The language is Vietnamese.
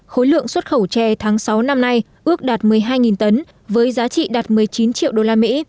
khối lượng xuất khẩu tre tháng sáu năm nay ước đạt một mươi hai tấn với giá trị đạt một mươi chín triệu đô la mỹ